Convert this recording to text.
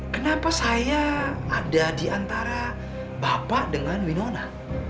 kenapa saya ada di antara bapak dengan winona